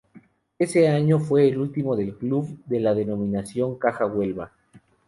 Ese año fue el último del club con la denominación Caja Huelva.